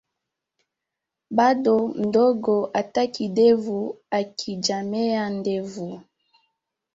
Bado mdogo hata kidevu hakijamea ndevu